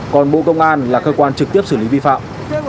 còn bộ công an là cơ quan trực tiếp xử lý vi phạm